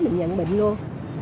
mình nhận bệnh luôn